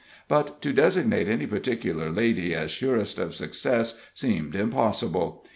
But to designate any particular lady as surest of success seemed impossible.